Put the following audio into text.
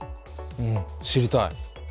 うん知りたい。